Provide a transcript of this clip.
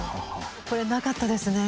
これなかったですね